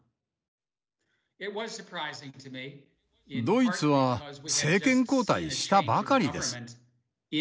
ドイツは政権交代したばかりです。